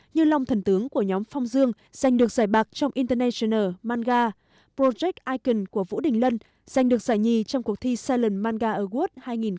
như lòng thần tướng của nhóm phong dương giành được giải bạc trong international manga project icon của vũ đình lân giành được giải nhì trong cuộc thi silent manga awards hai nghìn một mươi năm